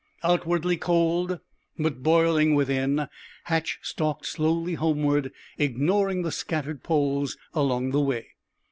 Outwardly cold, but boiling within, Hatch stalked slowly homeward, ignoring the scattered poles along the way.